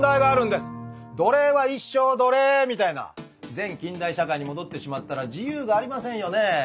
前近代社会に戻ってしまったら自由がありませんよねえ。